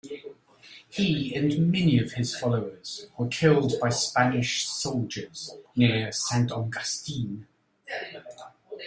He and many of his followers were killed by Spanish soldiers near Saint Augustine.